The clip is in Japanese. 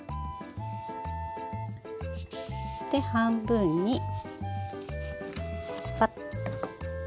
半分にスパッ。